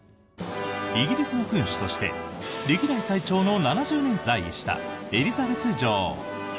イギリスの君主として歴代最長の７０年在位したエリザベス女王。